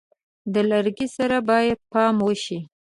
د لرګي سره باید پام وشي.